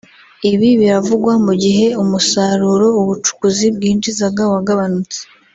Ibi biravugwa mu gihe umusaruro ubucukuzi bwinjizaga wagabanutse